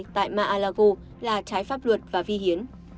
tại mar a lago là trái pháp luật và vi hiến